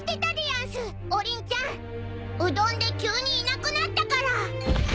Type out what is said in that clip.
兎丼で急にいなくなったから。